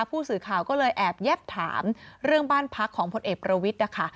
ผู้สื่อข่าวก็เลยแอบแยบถามเรื่องบ้านพักของพลเอกประวิทย์นะคะ